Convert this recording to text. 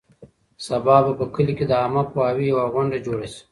سبا به په کلي کې د عامه پوهاوي یوه غونډه جوړه شي.